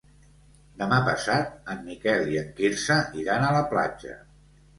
Demà passat en Miquel i en Quirze iran a la platja.